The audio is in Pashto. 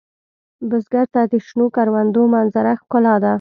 بزګر ته د شنو کروندو منظره ښکلا ده